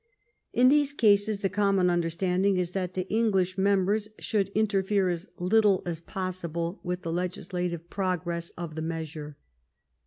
In these cases the common under standing is that the English members should interfere as little as possible with the legislative progress of the measure.